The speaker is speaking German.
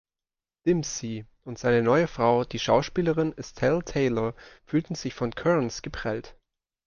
Dempsey und seine neue Frau, die Schauspielerin Estelle Taylor, fühlten sich von Kearns geprellt.